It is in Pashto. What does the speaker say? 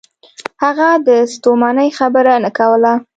هغه د ستومنۍ خبره نه کوله.